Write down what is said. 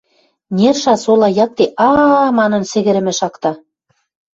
Нерша сола якте «А-а!» манын сӹгӹрӹмӹ шакта.